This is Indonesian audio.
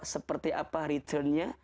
seperti apa returnnya